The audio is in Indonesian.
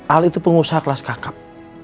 al itu pengusaha kelas kakap